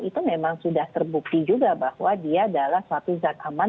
itu memang sudah terbukti juga bahwa dia adalah suatu zat aman